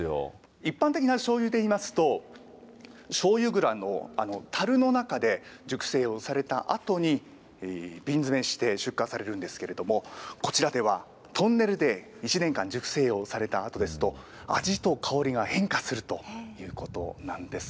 一般的なしょうゆでいいますと、しょうゆ蔵の樽の中で熟成をされたあとに、瓶詰めして出荷されるんですけれども、こちらではトンネルで１年間熟成をされたあとですと、味と香りが変化するということなんです。